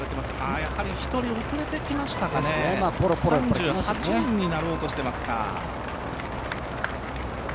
やはり１人遅れてきましたかね、３８人になろうとしていますか。